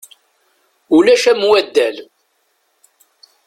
Ulac am waddal.